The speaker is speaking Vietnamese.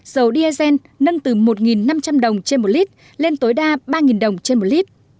dầu diesel nâng từ một năm trăm linh đồng trên một lít lên tối đa ba đồng trên một lít